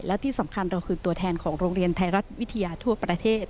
และที่สำคัญเราคือตัวแทนของโรงเรียนไทยรัฐวิทยาทั่วประเทศ